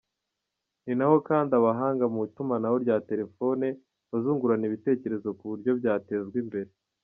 Ni naho kandi abahanga mu itumanaho rya telefone bazungurana ibitekerezo ku buryo byatezwa imbere.